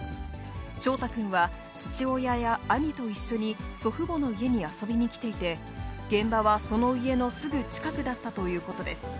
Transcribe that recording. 将大くんは、父親や兄と一緒に、祖父母の家に遊びに来ていて、現場はその家のすぐ近くだったということです。